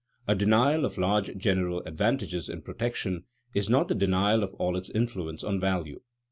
_ A denial of large general advantages in protection is not the denial of all its influence on value.